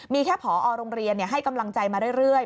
มีแค่ผอโรงเรียนให้กำลังใจมาเรื่อย